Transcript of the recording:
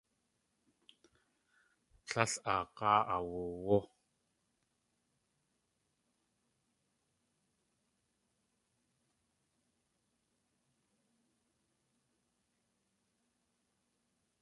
Tlél aag̲áa awuwú.